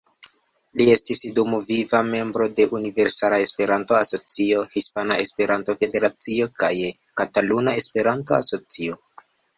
Li estis dumviva membro de Universala Esperanto-Asocio, Hispana Esperanto-Federacio kaj Kataluna Esperanto-Asocio.